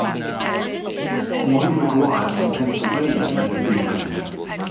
Molly Maguires from Pennsylvania may have been present.